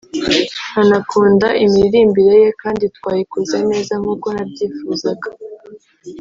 nkanakunda imiririmbire ye kandi twayikoze neza nk’uko nabyifuzaga